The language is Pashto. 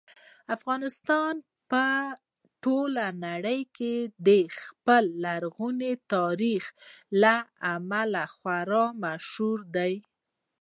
افغانستان په ټوله نړۍ کې د خپل لرغوني تاریخ له امله خورا مشهور دی.